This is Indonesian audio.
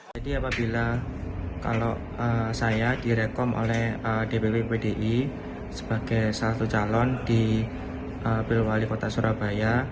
jadi apabila kalau saya direkom oleh dpp pdi sebagai salah satu calon di pil wali kota surabaya